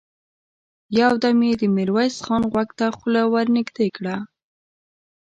يودم يې د ميرويس خان غوږ ته خوله ور نږدې کړه!